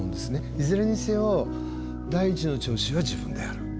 いずれにせよ第１の聴衆は自分である。